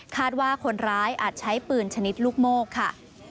ว่าคนร้ายอาจใช้ปืนชนิดลูกโมกค่ะ